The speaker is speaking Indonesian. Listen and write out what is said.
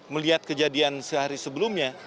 melihat kejadian sehari sebelumnya